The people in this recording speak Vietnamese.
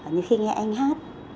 như khi nghe anh hát